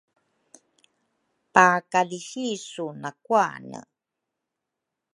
pakalisisu nakuane.